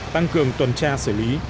tăng cường tuần tra xử lý